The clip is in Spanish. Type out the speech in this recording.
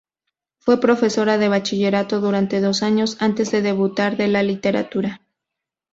Fue profesora de bachillerato durante dos años antes de debutar en la literatura.